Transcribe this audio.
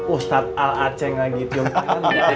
ustadz al aceh gak gitu kan